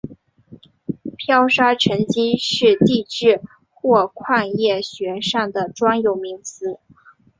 漂砂沉积是地质或矿业学上的专有名词。